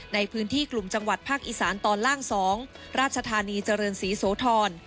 ในพื้นที่กลุ่มจังหวัดภาคอีสานตอนล่าง๒ราชธานีเจริญศรีโสธร